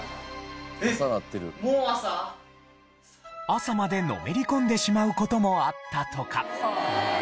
朝までのめり込んでしまう事もあったとか。